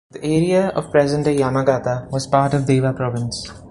The area of present-day Yamagata was part of Dewa Province.